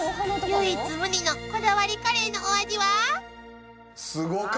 ［唯一無二のこだわりカレーのお味は？］